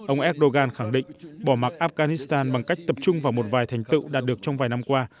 ông erdogan khẳng định bỏ mặt afghanistan bằng cách tập trung vào một vài thành tựu đạt được trong vài năm qua